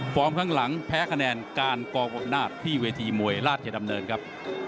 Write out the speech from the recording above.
ข้างหลังแพ้คะแนนการกองอำนาจที่เวทีมวยราชดำเนินครับ